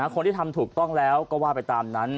คนที่ทำถูกต้องแล้วก็ว่าไปตามนั้น